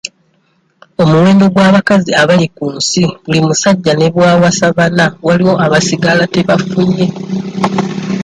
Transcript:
Omuwendo gw'abakazi abali ku nsi buli musajja ne bw'awasa bana waliwo abasigala tebafunye.